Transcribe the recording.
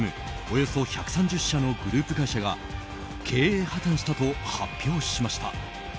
およそ１３０社のグループ会社が経営破綻したと発表しました。